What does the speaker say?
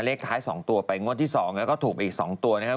เลขท้าย๒ตัวไปงวดที่๒แล้วก็ถูกไปอีก๒ตัวนะครับ